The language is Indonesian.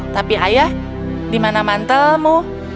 tapi ayah di mana mantelmu